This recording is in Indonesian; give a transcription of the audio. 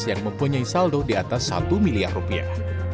yang mempunyai saldo di atas satu miliar rupiah